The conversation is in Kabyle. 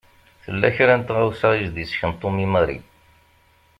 Tella kra n tɣawsa i s-d-isken Tom i Mary.